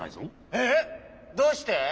ええっどうして？